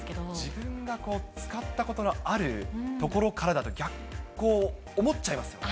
自分が使ったことのあるところからだと、思っちゃいますよね。